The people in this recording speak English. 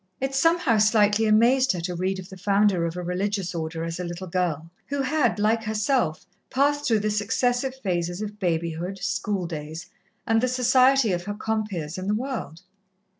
It somehow slightly amazed her to read of the Founder of a religious Order as a little girl, who had, like herself, passed through the successive phases of babyhood, schooldays and the society of her compeers in the world.